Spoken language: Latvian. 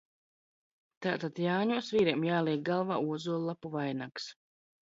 Tātad Jāņos vīriem jāliek galvā ozollapu vainags.